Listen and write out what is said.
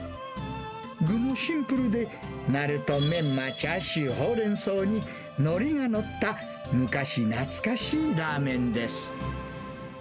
具もシンプルで、ナルト、メンマ、チャーシュー、ホウレンソウに、のりが載った昔懐かしいラーメンです。